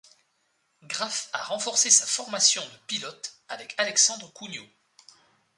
Graff a renforcé sa formation de pilotes avec Alexandre Cougnaud.